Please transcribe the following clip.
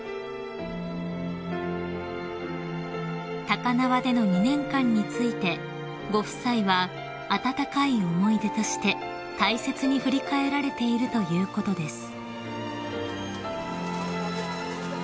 ［高輪での２年間についてご夫妻は温かい思い出として大切に振り返られているということです］